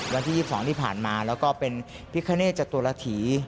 วันที่๒๒ที่ผ่านมาแล้วก็เป็นพิคเนตจตุรฐี